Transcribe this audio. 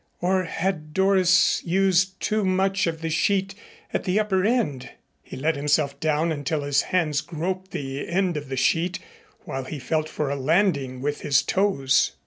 Or had Doris used too much of the sheet at the upper end? He let himself down until his hands groped the end of the sheet while he felt for a landing with his toes.